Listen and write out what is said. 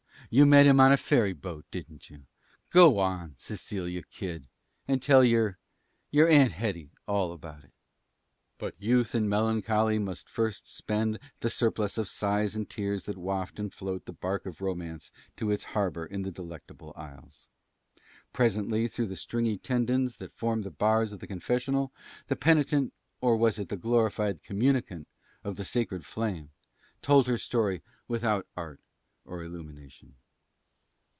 You met him on a ferry boat, didn't you? Go on, Cecilia, kid, and tell your your Aunt Hetty about it." But youth and melancholy must first spend the surplus of sighs and tears that waft and float the barque of romance to its harbor in the delectable isles. Presently, through the stringy tendons that formed the bars of the confessional, the penitent or was it the glorified communicant of the sacred flame told her story without art or illumination.